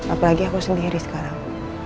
apalagi aku sendiri sekarang